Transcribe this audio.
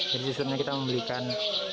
jadi sesudahnya kita membelikan